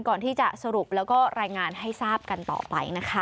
ก่อนที่จะสรุปแล้วก็รายงานให้ทราบกันต่อไปนะคะ